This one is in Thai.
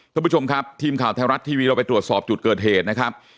ท่านผู้ชมครับทีมข่าวไทยรัฐทีวีเราไปตรวจสอบจุดเกิดเหตุนะครับ